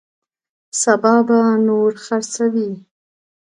سبا به نور خرڅوي.